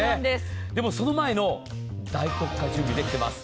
でもその前の大特価、準備できています。